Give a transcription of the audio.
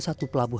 caca rupiah rupiah